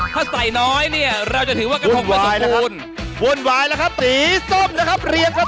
ข้าวใส่น้อยเนี้ยเราจะถือว่าก่อนว่าผมว่ายแบบนะครับ